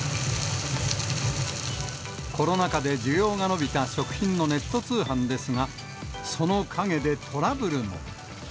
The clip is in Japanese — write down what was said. コロナ禍で需要が伸びた食品のネット通販ですが、その陰で、トラブルも。